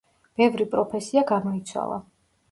ბევრი პროფესია გამოიცვალა.